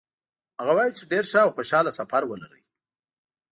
هغه وایي چې ډېر ښه او خوشحاله سفر ولرئ.